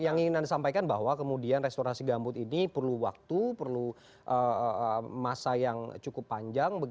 yang ingin anda sampaikan bahwa kemudian restorasi gambut ini perlu waktu perlu masa yang cukup panjang